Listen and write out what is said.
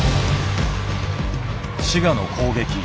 滋賀の攻撃。